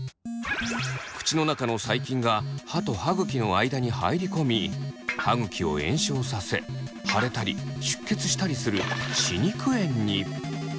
口の中の細菌が歯と歯ぐきの間に入り込み歯ぐきを炎症させ腫れたり出血したりする歯肉炎に。